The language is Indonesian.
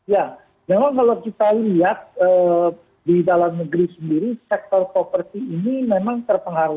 ya memang kalau kita lihat di dalam negeri sendiri sektor properti ini memang terpengaruh